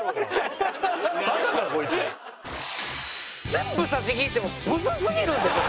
全部差し引いてもブスすぎるんですよ。